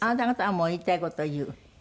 あなた方はもう言いたい事を言う？